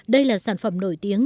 đây là sản phẩm nổi tiếng